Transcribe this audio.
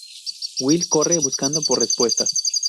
Will corre, buscando por respuestas.